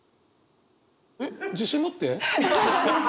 自信持って。